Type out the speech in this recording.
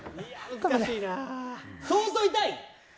相当痛い？